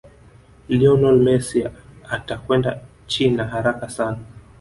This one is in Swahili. lionel Messi atakwenda china haraka sana